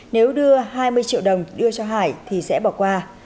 nếu đưa hai mươi triệu đồng đưa cho hải thì sẽ bỏ qua